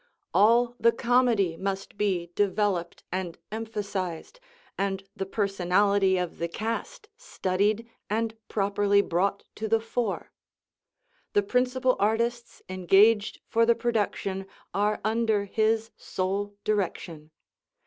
All the comedy must be developed and emphasized, and the personality of the cast studied and properly brought to the fore. The principal artists engaged for the production are under his sole direction.